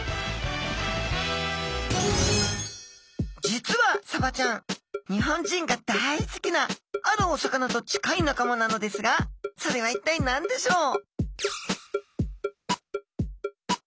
実はサバちゃん日本人が大好きなあるお魚と近い仲間なのですがそれは一体何でしょう？